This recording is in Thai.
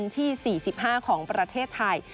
ที่สี่สิบห้าของประเทศไทย